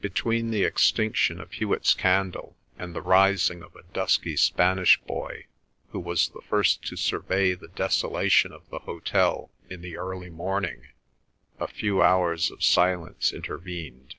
Between the extinction of Hewet's candle and the rising of a dusky Spanish boy who was the first to survey the desolation of the hotel in the early morning, a few hours of silence intervened.